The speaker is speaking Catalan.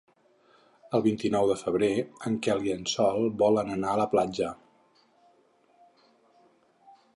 El vint-i-nou de febrer en Quel i en Sol volen anar a la platja.